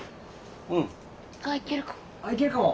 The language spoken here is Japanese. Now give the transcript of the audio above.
あっ行けるかも。